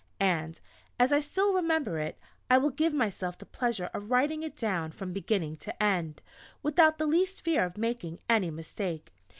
And, as I still remember it, I will give myself the pleasure of writing it down from beginning to end, without the least fear of making any mistake.